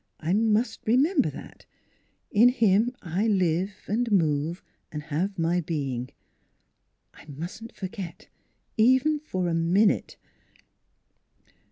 I must remember that ! In Him I live and move and have my being. I mustn't forget, even for a minute."